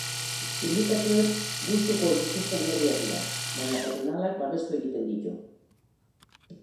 Sindikatuek gustuko ez dituzten neurriak dira, baina patronalak babestu egiten ditu.